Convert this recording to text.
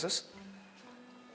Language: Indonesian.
permisi bu pa